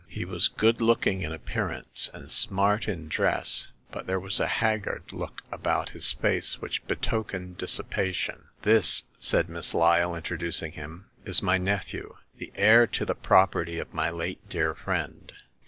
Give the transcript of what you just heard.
He was good looking in appearance, and smart in dress, but there was a haggard look about his face which betokened dissipation. This,'* said Miss Lyle, introducing him, is my nephew, the heir to the property of my late dear friend.